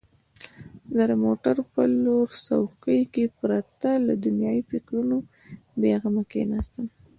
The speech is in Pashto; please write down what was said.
زه د موټر په لوړ څوکۍ کې پرته له دنیايي فکرونو بېغمه کښېناستم.